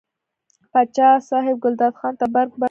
پاچا صاحب ګلداد خان ته برګ برګ وکتل.